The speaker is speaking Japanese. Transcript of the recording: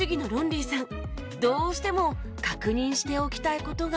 どうしても確認しておきたい事が